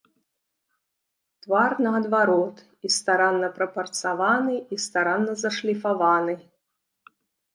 Твар, наадварот, і старанна прапрацаваны, і старанна зашліфаваны.